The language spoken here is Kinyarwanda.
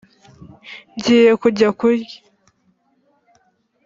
ngiye kujya kurya